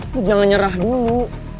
lo jangan nyerah dulu